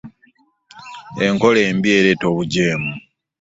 Enkola embi ereeta obujeemu.